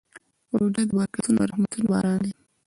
روژه د برکتونو او رحمتونو باران دی.